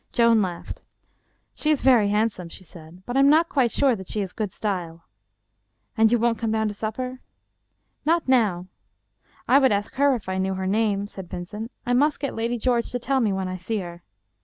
Joan laughed. " She is very handsome," she said, " but I am not quite sure that she is good style." " And you won't come down to supper ?"" Not now." " I would ask her if I knew her name," said Vincent. " I must get Lady George to tell me when I see her."